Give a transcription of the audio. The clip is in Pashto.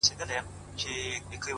هغه چي ماته يې په سرو وینو غزل ليکله ـ